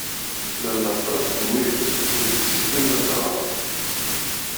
Llan aṭas n wid ur yessinen ad ɣren.